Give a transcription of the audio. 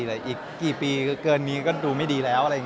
แล้วอีกกี่ปีเกินนี่ก็ดูไม่ดีแล้ว